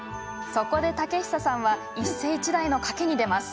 そこで武久さんは一世一代の賭けに出ます。